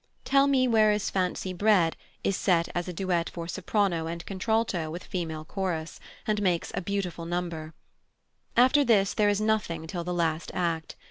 "Tell me where is fancy bred" is set as a duet for soprano and contralto with female chorus, and makes a beautiful number. After this there is nothing till the last act.